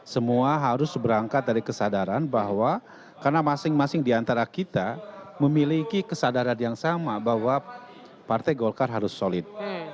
semua harus berangkat dari kesadaran bahwa karena masing masing diantara kita memiliki kesadaran yang sama bahwa partai golkar harus solid